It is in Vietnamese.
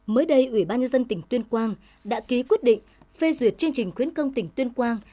mới đây ủy ban nhân dân tỉnh tuyên quang đã ký quyết định phê duyệt chương trình khuyến công tỉnh tuyên quang